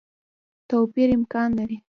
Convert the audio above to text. توپیر امکان لري.